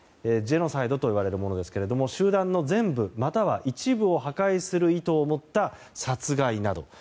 ジェノサイドといわれるものですが集団の全部または一部を破壊する意図を持った殺害など。